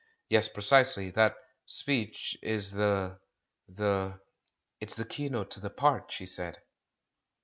"Yes, precisely. That speech is the — the " "It's the keynote to the part," she said.